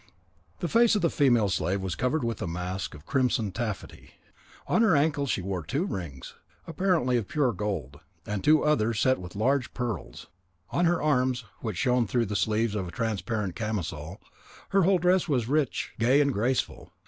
The face of the female slave was covered with a mask of crimson taffety. On her naked ankles she wore two rings, apparently of pure gold; and two others, set with large pearls, on her arms, which shone through the sleeves of a transparent camisole. Her whole dress was rich, gay, and graceful.